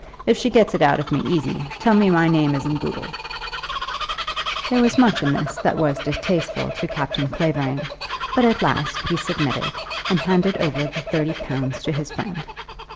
If she gets it out of me easy, tell me my name isn't Boodle." There was much in this that was distasteful to Captain Clavering, but at last he submitted, and handed over the thirty pounds to his friend.